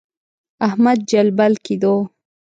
احمد جلبل کېدو.